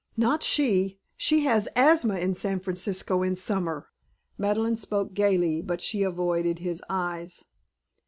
"Not she! She has asthma in San Francisco in summer." Madeleine spoke gaily, but she avoided his eyes.